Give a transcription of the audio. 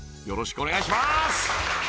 よろしくお願いします！